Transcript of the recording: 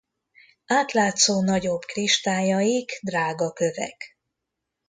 Átlátszó nagyobb kristályaik drágakövek.